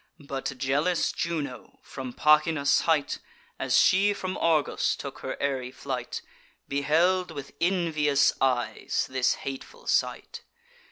But jealous Juno, from Pachynus' height, As she from Argos took her airy flight, Beheld with envious eyes this hateful sight.